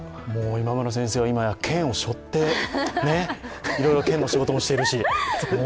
今村先生は今や県をしょって、いろいろ県の仕事もしているし。